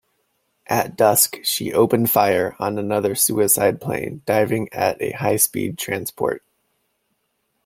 At dusk she opened fire on another suicide plane diving at a highspeed transport.